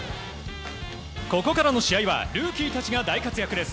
ここからの試合はルーキーたちが大活躍です。